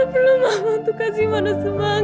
mama perlu mama untuk kasih mama semangat ma